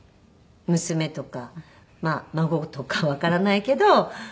娘とか孫とかわからないけど。